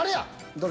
どれ？